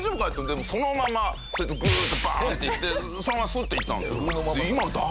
でもそのままそいつグー！っとバーンっていってそのままスーッと行ったんですよ。